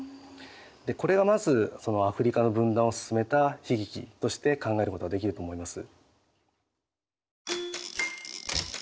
これはまずアフリカの分断を進めた悲劇として考えることができると思います。